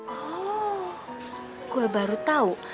oh gue baru tau